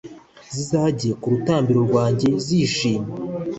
zizajye ku rutambiro rwanjye, zishimwe.